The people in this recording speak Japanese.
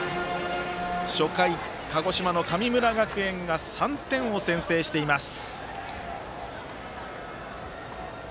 初回、鹿児島の神村学園が３点を先制しています。